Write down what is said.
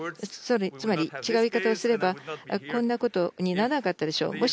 つまり、違う言い方をすれば、こんなことにならなかったでしょう。